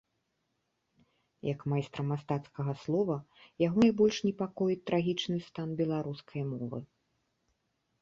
Як майстра мастацкага слова, яго найбольш непакоіць трагічны стан беларускай мовы.